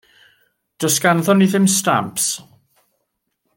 Does ganddon ni ddim stamps.